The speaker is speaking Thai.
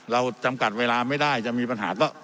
จำกัดเวลาไม่ได้จะมีปัญหาก็